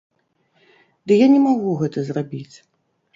Ды я не магу гэта зрабіць.